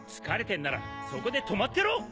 疲れてんならそこで止まってろ！